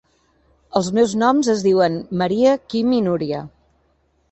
Els meus noms es diuen Maria, Quim i Núria.